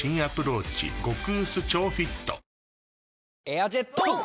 エアジェットォ！